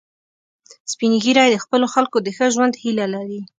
سپین ږیری د خپلو خلکو د ښه ژوند هیله لري